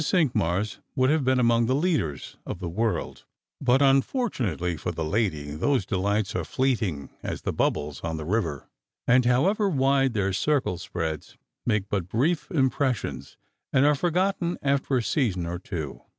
Cinqmars wonld have been among the leaders f>f the world; but. 190 Strangers and JPilgrimg. unfortunately for the lady, those delights are fleeting as the bubbles on the river, and, however wide their circle spreads, make bnt brief impressions, and are forgotten after a season or two.